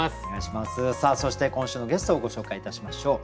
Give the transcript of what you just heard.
そして今週のゲストをご紹介いたしましょう。